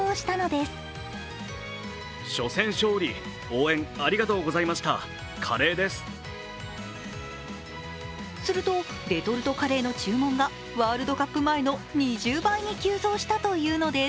するとレトルトカレーの注文がワールドカップ前の２０倍に急増したというのです。